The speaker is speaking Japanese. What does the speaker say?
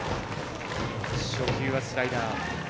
初球はスライダー。